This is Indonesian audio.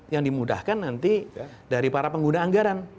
yang dimudahkan nanti dari para pengguna anggaran